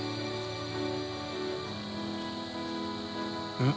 うん？